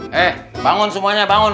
hei bangun semuanya bangun